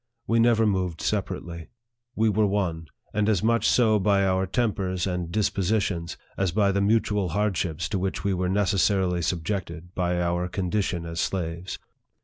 We never moved separately. We were one ; and as much so by our tempers and dispositions, as by the mutual hardships to which we were necessarily sub jected by our condition as slaves.